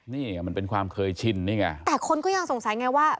นี่ไงมันเป็นความเคยชินนี่ไงแต่คนก็ยังสงสัยไงว่า